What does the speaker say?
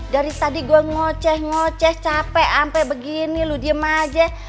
dari tadi gue ngoceh ngoceh capek sampai begini lo diem aja